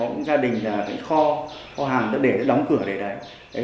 bọn gia đình là cái kho hàng tự để đóng cửa để đấy